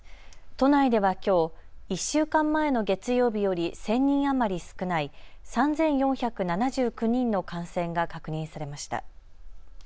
都内ではきょう１週間前の月曜日より１０００人余り少ない３４７９人の感染が確認されました。